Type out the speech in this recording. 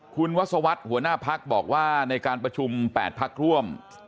คุณวัศวรรษหัวหน้าพักบอกว่าในการประชุม๘พักร่วม